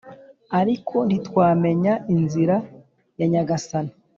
ariko ntitwamenya inzira ya Nyagasani!